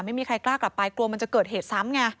ไม่มีใครกล้ากลับไปกลัวมันจะเกิดเหตุซ้ำไง